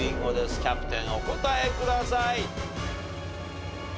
キャプテンお答えください！